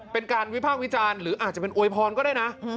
เป็นการวิพากษ์วิจารณ์หรืออาจจะเป็นอวยพรก็ได้นะ